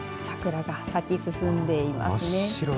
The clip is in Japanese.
桜が咲き進んでいます。